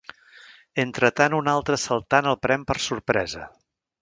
Entretant un altre assaltant el pren per sorpresa.